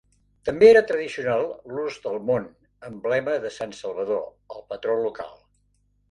També era tradicional l'ús del món, emblema de sant Salvador, el patró local.